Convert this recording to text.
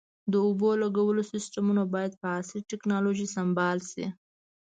د اوبو لګولو سیستمونه باید په عصري ټکنالوژۍ سنبال شي.